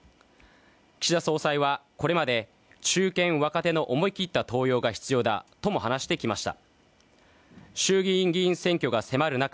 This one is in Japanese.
岸田総裁はこれまで中堅・若手の思いきった登用が必要だと話してきました。